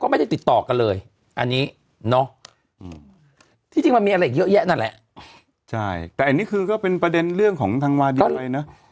มีอะไรเยอะแยะนั่นแหละใช่แต่อันนี้คือก็เป็นประเด็นเรื่องของทางวาดีไปเนอะ